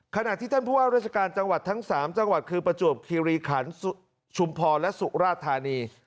ขณะที่ท่านผู้ว่าราชการจังหวัดทั้ง๓จังหวัดคือประจวบคิริขันชุมพรและสุราธานี